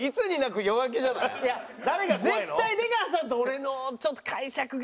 いや絶対出川さんと俺のちょっと解釈がな。